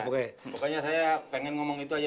pokoknya saya pengen ngomong itu aja